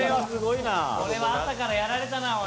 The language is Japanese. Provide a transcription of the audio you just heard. これは朝からやられたな。